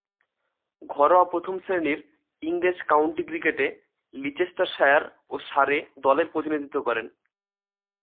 ঘরোয়া প্রথম-শ্রেণীর ইংরেজ কাউন্টি ক্রিকেটে লিচেস্টারশায়ার ও সারে দলের প্রতিনিধিত্ব করেন।